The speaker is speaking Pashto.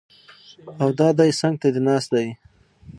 او دا دی څنګ ته دې ناست دی!